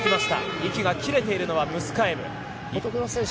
息が切れているのがムスカエブ選手。